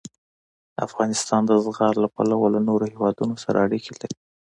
افغانستان د زغال له پلوه له نورو هېوادونو سره اړیکې لري.